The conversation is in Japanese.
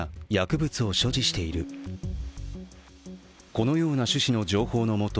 このような趣旨の情報のもと